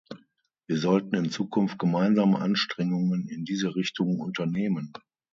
Wir sollten in Zukunft gemeinsam Anstrengungen in diese Richtung unternehmen.